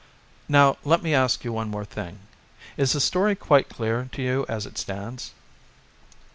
"Now let me ask you one more thing: is the story quite clear to you as it stands?"